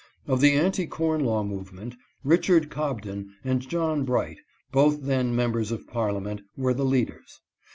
Of the anti corn law movement, Richard Gobden and John Bright, both then members of Parlia ment, were the leaders.